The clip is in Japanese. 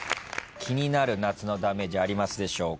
気になる夏のダメージありますでしょうか？